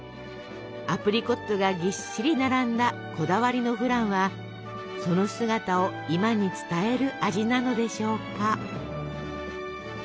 アプリコットがぎっしり並んだこだわりのフランはその姿を今に伝える味なのでしょうか。